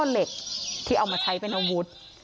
เหล็กที่เอามาใช้เป็นอาวุธ